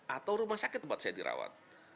atau rumah sakit tempat saya dirawat